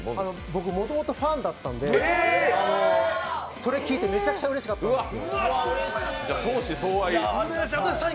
僕、もともとファンだったのでそれ聞いてめちゃくちゃうれしかったんですよ。